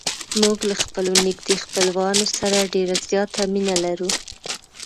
موږ له خپلو نږدې خپلوانو سره ډېره زیاته مینه لرو.